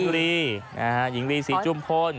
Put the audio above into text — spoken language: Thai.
หญิงลีหญิงลีศรีจุมพล